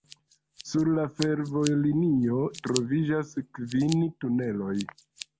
Sur la fervojlinio troviĝas kvin tuneloj.